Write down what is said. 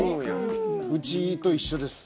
うちと一緒です。